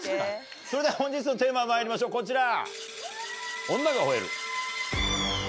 それでは本日のテーマまいりましょうこちら。